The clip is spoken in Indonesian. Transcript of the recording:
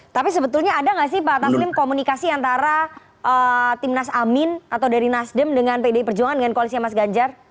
tapi sebetulnya ada nggak sih pak taslim komunikasi antara timnas amin atau dari nasdem dengan pdi perjuangan dengan koalisinya mas ganjar